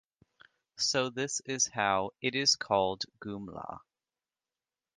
So this is how it is called Gumla.